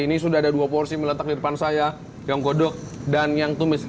ini sudah ada dua porsi mie letak di depan saya yang godok dan yang tumis